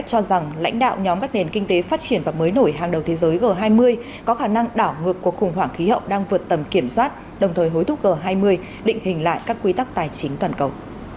guterres cho rằng lãnh đạo nhóm các nền kinh tế phát triển và mới nổi hàng đầu thế giới g hai mươi có khả năng đảo ngược cuộc khủng hoảng khí hậu đang vượt tầm kiểm soát đồng thời hối thúc g hai mươi định hình lại các quy tắc tài chính toàn cầu